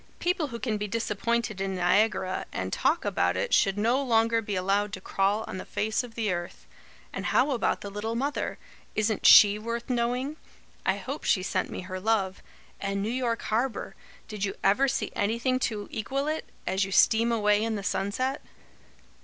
People who can be disappointed in Niagara, and talk about it, should no longer be allowed to crawl on the face of the earth. And how about the 'Little Mother'? Isn't she worth knowing? I hope she sent me her love. And New York harbour! Did you ever see anything to equal it, as you steam away in the sunset?"